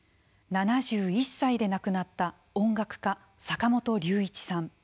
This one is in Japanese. ７１歳で亡くなった音楽家、坂本龍一さん。